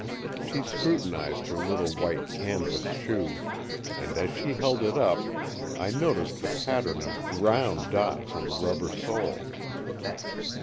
She scrutinized her little white canvas shoe, and as she held it up, I noticed the pattern of round dots on the rubber sole.